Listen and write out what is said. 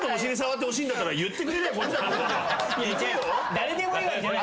誰でもいいわけじゃない。